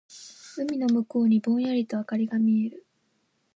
海の向こうにぼんやりと灯りが見える。